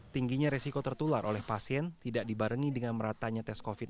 tingginya resiko tertular oleh pasien tidak dibarengi dengan meratanya tes covid sembilan belas